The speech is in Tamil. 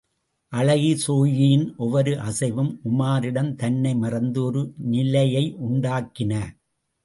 அழகி ஸோயியின் ஒவ்வொரு அசைவும் உமாரிடம் தன்னை மறந்த ஒரு நிலையையுண்டாக்கின.